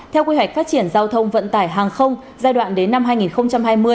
theo quy hoạch phát triển giao thông vận tải hàng không giai đoạn đến năm hai nghìn hai mươi